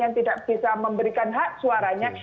yang tidak bisa memberikan hak suaranya